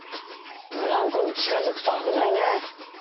ブランコにちかづくとあぶないね。